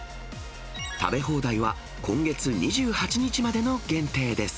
食べ放題は、今月２８日までの限定です。